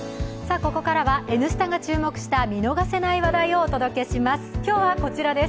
ここからは「Ｎスタ」が注目した見逃せない話題をお届けします。